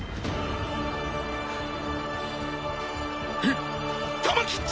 えっ！